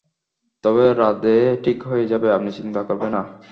তবে, রাধে ঠিক হয়ে যাবে, আপনি চিন্তা করবে না।